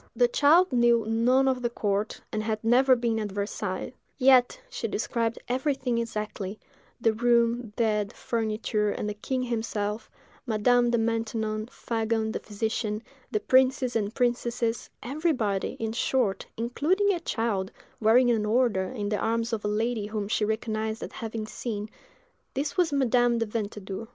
The child knew none of the court, and had never been at Versailles; yet she described everything exactly—the room, bed, furniture, and the king himself, Madame de Maintenon, Fagon, the physician, the princes and princesses—everybody, in short, including a child, wearing an order, in the arms of a lady whom she recognised as having seen; this was Madame de Ventadour.